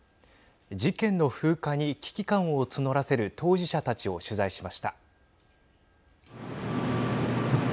事件の風化に危機感を募らせる当事者たちを取材しました。